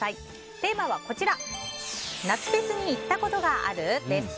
テーマは、夏フェスに行ったことがある？です。